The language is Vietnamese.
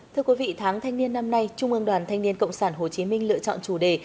thưa quý vị tháng thanh niên năm nay trung ương đoàn thanh niên cộng sản hồ chí minh lựa chọn chủ đề